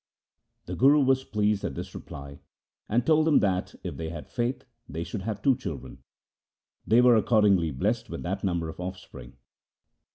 The Guru was pleased at this reply, and told them that, if they had faith, they should have two children. They were accordingly blessed with that number of offspring.